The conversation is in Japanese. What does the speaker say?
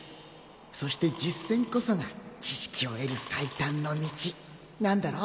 そして実践こそが知識を得る最短の道なんだろ